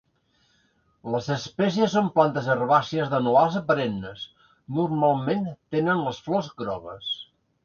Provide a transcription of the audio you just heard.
Les espècies són plantes herbàcies d'anuals a perennes, normalment tenen les flors grogues.